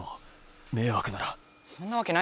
そんなわけないだろ。